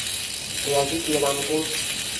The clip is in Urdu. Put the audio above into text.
ریاضی کی علامتیں